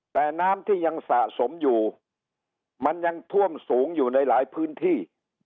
แต่น้ำที่ยังสะสมอยู่มันยังท่วมสูงอยู่ในหลายพื้นที่